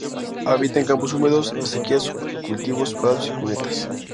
Habita en campos húmedos, acequias, cultivos, prados, cunetas.